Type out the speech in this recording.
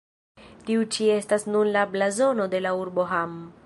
Tiu ĉi estas nun la blazono de la urbo Hamm.